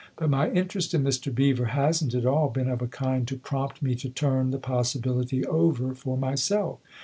" But my interest in Mr. Beever hasn't at all been of a kind to prompt me to turn the possibility over for myself.